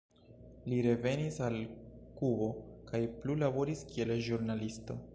Li revenis al Kubo kaj plu laboris kiel ĵurnalisto.